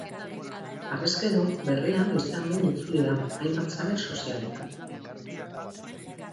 Harrezkero, berria noizean behin itzuli da, hainbat sare sozialetan.